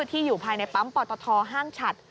ที่อยู่ภายในปั๊มปอตทห้างฉัด